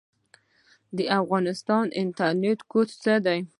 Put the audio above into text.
د افغانستان انټرنیټ کوډ څه دی؟